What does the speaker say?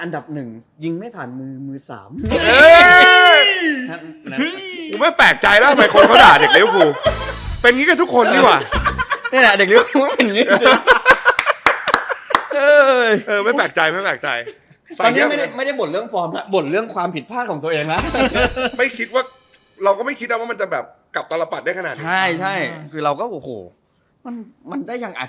แล้วผมคลิปแจ่งเกรอดเลย